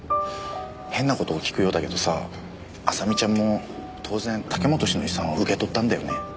変な事を聞くようだけどさ麻美ちゃんも当然武本氏の遺産は受け取ったんだよね？